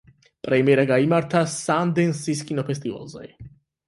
პრემიერა გაიმართა სანდენსის კინოფესტივალზე.